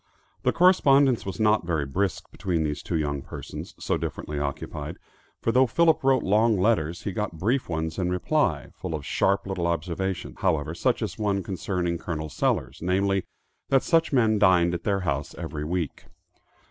The correspondence was not very brisk between these two young persons, so differently occupied; for though Philip wrote long letters, he got brief ones in reply, full of sharp little observations however, such as one concerning Col. Sellers, namely, that such men dined at their house every week.